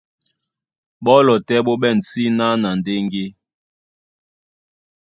Ɓɔ́lɔ tɛ́ ɓó ɓɛ̂n síná na ndéŋgé.